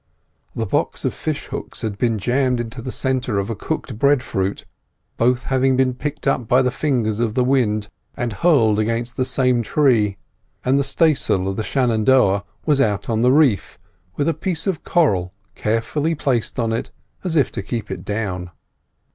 The box of fishhooks had been jammed into the centre of a cooked breadfruit, both having been picked up by the fingers of the wind and hurled against the same tree; and the stay sail of the Shenandoah was out on the reef, with a piece of coral carefully placed on it as if to keep it down.